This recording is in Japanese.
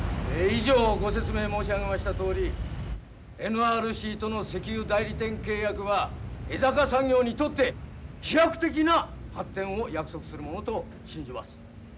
以上ご説明申し上げましたとおりＮＲＣとの石油代理店契約は江坂産業にとって飛躍的な発展を約束するものと信じます。